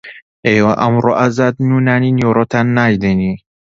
ئێوە ئەمڕۆ ئازادن و نانی نیوەڕۆتان نادەینێ